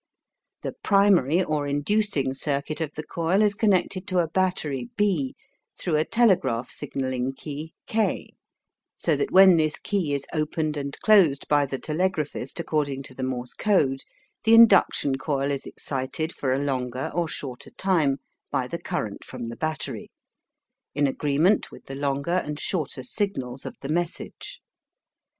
The primary or inducing circuit of the coil is connected to a battery B through a telegraph signalling key K, so that when this key is opened and closed by the telegraphist according to the Morse code, the induction coil is excited for a longer or shorter time by the current from the battery, in agreement with the longer and shorter signals of the message.